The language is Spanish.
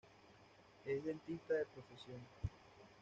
Es dentista de profesión.